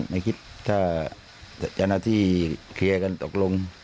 ไม่คิดถ้าเจ้าหน้าที่เคลียร์กันตกลง